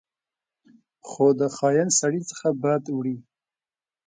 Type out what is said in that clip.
خو د خاین سړي څخه بد وړي.